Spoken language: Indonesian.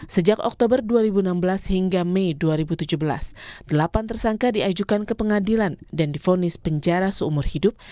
sejak oktober dua ribu enam belas hingga mei dua ribu tujuh belas delapan tersangka diajukan ke pengadilan dan difonis penjara seumur hidup